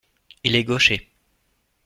Il est gaucher.